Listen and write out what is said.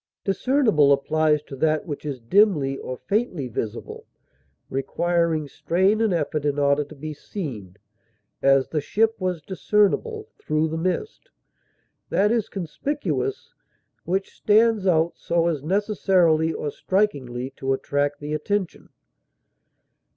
Discernible applies to that which is dimly or faintly visible, requiring strain and effort in order to be seen; as, the ship was discernible through the mist. That is conspicuous which stands out so as necessarily or strikingly to attract the attention.